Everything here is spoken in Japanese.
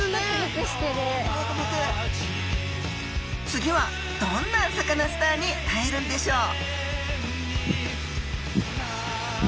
次はどんなサカナスターに会えるんでしょう